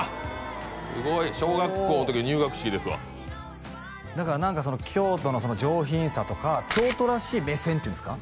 すごい小学校の時の入学式ですわ何かその京都の上品さとか京都らしい目線っていうんですか？